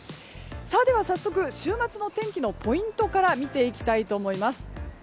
では早速、週末のお天気のポイントから見ていきたいと思います。